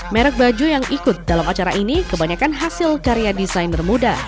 merek baju yang ikut dalam acara ini kebanyakan hasil karya desainer muda